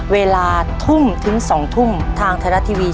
ทำไมเนี่ย